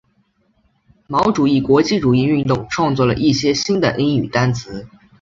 毛主义国际主义运动创作了一些新的英语单词。